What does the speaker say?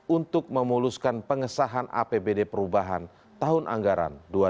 untuk memuluskan pengesahan apbd perubahan tahun anggaran dua ribu dua puluh